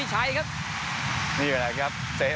โอ้โหยังเป็นแรกของสินตะวีชัยครับนี่แหละครับ